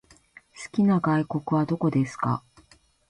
好きな外国はどこですか？